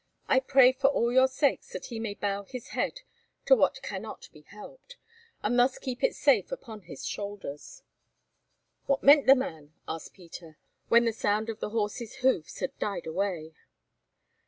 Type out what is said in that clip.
I pray for all your sakes that he may bow his head to what cannot be helped, and thus keep it safe upon his shoulders." "What meant the man?" asked Peter, when the sound of the horses' hoofs had died away.